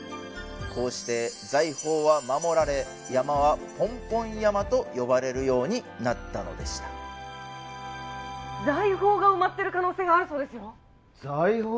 こうして財宝は守られ山はポンポン山と呼ばれるようになったのでした財宝が埋まってる可能性があるそうですよ財宝？